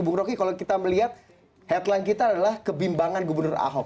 bung roky kalau kita melihat headline kita adalah kebimbangan gubernur ahok